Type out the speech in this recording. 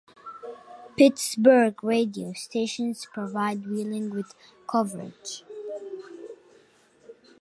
Pittsburgh's radio stations provide Wheeling with coverage.